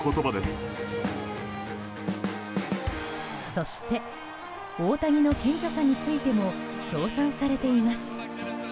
そして大谷の謙虚さについても称賛されています。